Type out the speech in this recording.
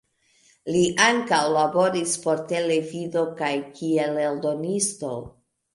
Li ankaŭ laboris por televido kaj kiel eldonisto.